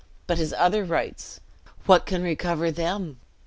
But his other rights, what can recover them?